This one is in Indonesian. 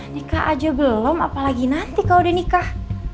nikah aja belum apalagi nanti kalau udah nikah